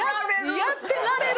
「やってられる」。